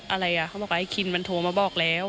อ่าเดี๋ยวฟองดูนะครับไม่เคยพูดนะครับ